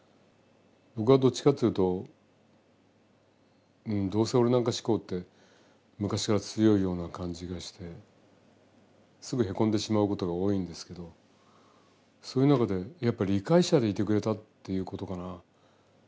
僕はどっちかというとどうせ俺なんか志向って昔から強いような感じがしてすぐへこんでしまうことが多いんですけどそういう中でやっぱ理解者でいてくれたということかな。